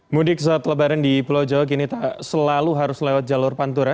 mudik saat lebaran di pulau jawa kini tak selalu harus lewat jalur pantura